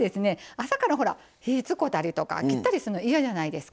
朝からほら火使うたりとか切ったりするの嫌じゃないですか。